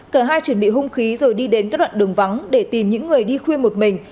cả hai chuẩn bị hung khí rồi đi đến các đoạn đường vắng để tìm những người đi khuya một mình